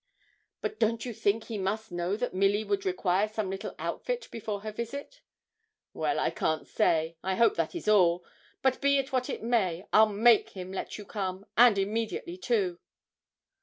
'But don't you think he must know that Milly would require some little outfit before her visit?' 'Well, I can't say. I hope that is all; but be it what it may, I'll make him let you come, and immediately, too.'